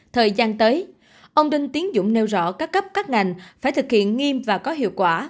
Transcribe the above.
thời gian tới ông đinh tiến dũng nêu rõ các cấp các ngành phải thực hiện nghiêm và có hiệu quả